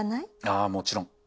ああもちろん。